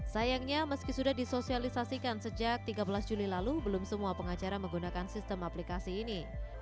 sayangnya meski sudah disosialisasikan sejak tiga belas juli lalu belum semua pengacara menggunakan sistem aplikasi ini